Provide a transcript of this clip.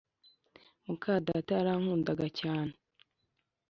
Mukadata yarankundaga cyane.